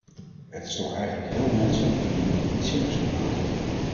Het is toch eigenlijk heel menselijk wanneer iemand iets zinnigs wil maken.